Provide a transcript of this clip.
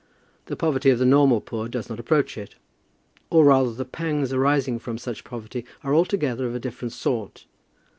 The poverty of the normal poor does not approach it; or, rather, the pangs arising from such poverty are altogether of a different sort.